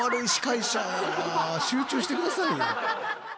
集中して下さいよ。